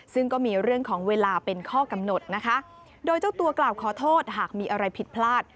ซึ่งก็มีเรื่องของเวลาเป็นข้อกำหนดนะคะโดยเจ้าตัวกล่าวขอโทษหากมีอะไรผิดพลาด